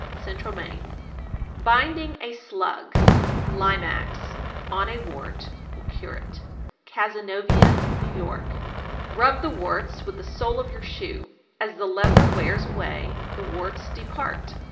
Central Maine. 920. Binding a slug (Limax) on a wart will cure it. Cazenovia, N.Y. 921. Rub the warts with the sole of your shoe; as the leather wears away, the warts depart.